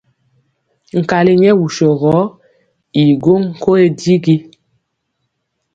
Nkali nyɛ wusɔ gɔ i go nkoye digi.